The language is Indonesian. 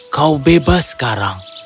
kau bebas sekarang